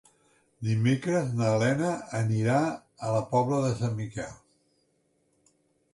Dimecres na Lena anirà a la Pobla de Sant Miquel.